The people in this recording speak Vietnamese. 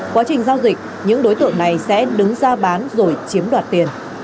quá trình giao dịch những đối tượng này sẽ đứng ra bán rồi chiếm đoạt tiền